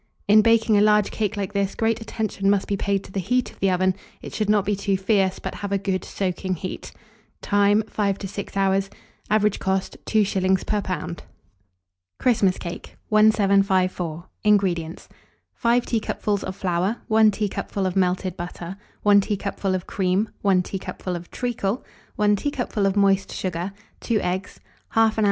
In baking a large cake like this, great attention must be paid to the heat of the oven; it should not be too fierce, but have a good soaking heat. Time. 5 to 6 hours. Average cost, 2s. per lb. CHRISTMAS CAKE. 1754. INGREDIENTS. 5 teacupfuls of flour, 1 teacupful of melted butter, 1 teacupful of cream, 1 teacupful of treacle, 1 teacupful of moist sugar, 2 eggs, 1/2 oz.